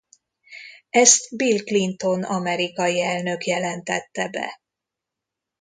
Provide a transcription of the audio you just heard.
Ezt Bill Clinton amerikai elnök jelentette be.